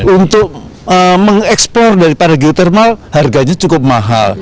untuk mengekspor daripada geotermal harganya cukup mahal